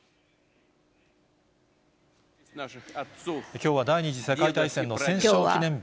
きょうは第２次世界大戦の戦勝記念日。